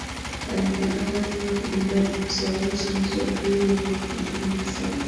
Alitangaza nia kugombea nafasi ya uraisi mwezi wa pili mwaka elfu mbili na saba